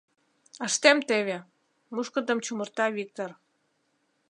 — Ыштем теве! — мушкындым чумырта Виктыр.